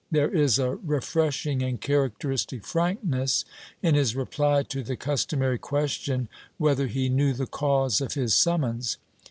There is a refreshing and characteristic frankness in his reply to the customary question whether he knew the cause of his summons.